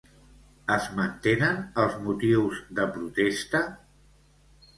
Es mantenen els motius de protesta?